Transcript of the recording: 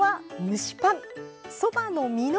蒸しパン！